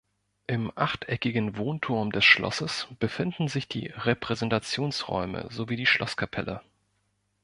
Im achteckigen Wohnturm des Schlosses befinden sich die Repräsentationsräume sowie die Schlosskapelle.